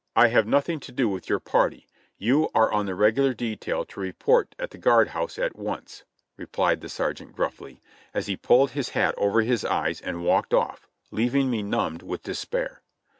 "I have nothing to do with your party; you are on the regular detail to report at the guard house at once," replied the sergeant gruffly, as he pulled his hat over his eyes and walked off, leaving me nrmibed with despair.